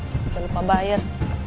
sampai lupa bayar